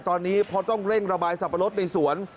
ตอนนี้เพราะต้องเร่งระบายสับปะรดในสวน